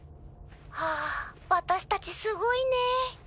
はぁ私たちすごいね。